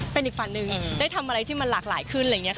เป็นอีกฝั่งหนึ่งได้ทำอะไรที่มันหลากหลายขึ้นอะไรอย่างนี้ค่ะ